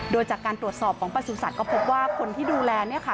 โดยจากการตรวจสอบของประสุทธิ์ก็พบว่าคนที่ดูแลเนี่ยค่ะ